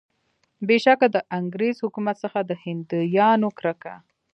بېشکه د انګریز حکومت څخه د هندیانو کرکه.